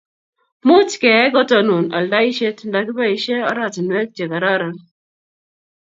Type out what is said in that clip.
much keyai kotonon aldaishet nda kibaishe oratinwek che karoron